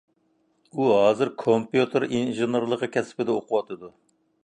ئۇ ھازىر كومپيۇتېر ئىنژېنېرلىقى كەسپىدە ئوقۇۋاتىدۇ.